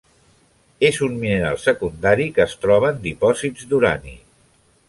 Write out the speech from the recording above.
És un mineral secundari que es troba en dipòsits d'urani.